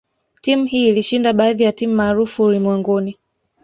Timu hii ilishinda baadhi ya timu maarufu ulimwenguni